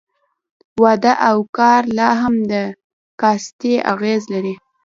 واده او کار لا هم د کاستي اغېز لري.